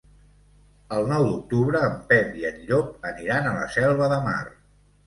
El nou d'octubre en Pep i en Llop aniran a la Selva de Mar.